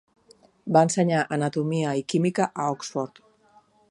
Va ensenyar anatomia i química a Oxford.